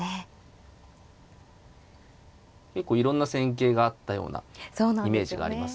結構いろんな戦型があったようなイメージがあります。